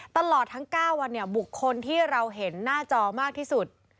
ตลอดทั้ง๙วันเนี่ยบุคคลที่เราเห็นหน้าจอมากที่สุด